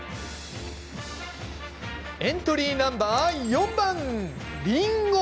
エントリーナンバー４番、りんご。